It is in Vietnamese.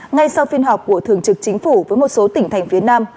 ngay sau phiên họp của thường trực chính phủ với một số tỉnh thành phía nam